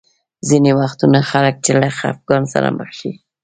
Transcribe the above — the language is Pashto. ځینې وختونه خلک چې له خفګان سره مخ شي.